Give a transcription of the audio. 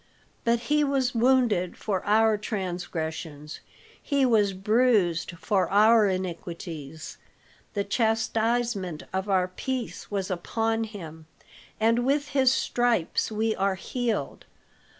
But he was wounded for our transgressions, he was bruised for our iniquities; the chastisement of our peace was upon him; and with his stripes we are healed.